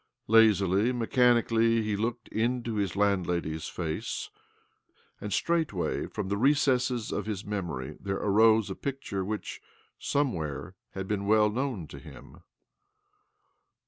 Lazily, mechanically he looked into '. landlady's face ; and straightway from 1 recesses of his memory there arose a picti which, somewhere, had been well known him.